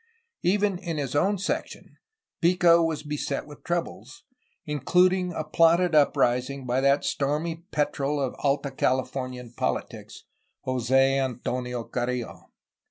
Even in his own section Pico was beset with troubles, including a plotted uprising by that stormy petrel of Alta Calif ornian politics, Jos6 Antonio Carrillo.